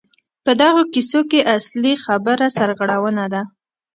په دغو کیسو کې اصلي خبره سرغړونه ده.